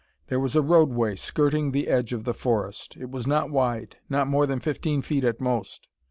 There was a roadway skirting the edge of the forest. It was not wide; not more than fifteen feet at most.